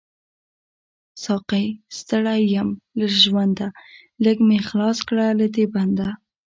ساقۍ ستړی يم له ژونده، ليږ می خلاص کړه له دی بنده